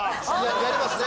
やりますね。